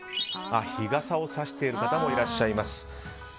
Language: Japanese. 日傘をさしている方もいらっしゃいます。